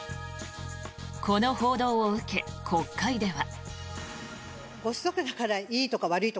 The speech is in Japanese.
この報道を受け、国会では。